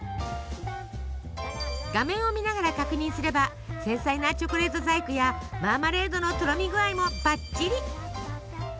画面を見ながら確認すれば繊細なチョコレート細工やマーマレードのとろみ具合もばっちり。